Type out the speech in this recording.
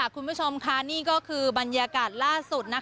คุณผู้ชมค่ะนี่ก็คือบรรยากาศล่าสุด